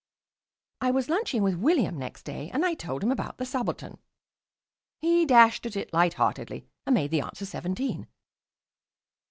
I was lunching with William next day, and I told him about the subaltern. He dashed at it lightheartedly and made the answer seventeen.